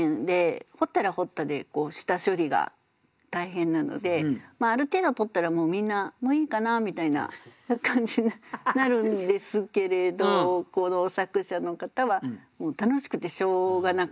掘ったら掘ったで下処理が大変なのである程度採ったらもうみんなもういいかなみたいな感じになるんですけれどこの作者の方はもう楽しくてしょうがなかったんでしょうね。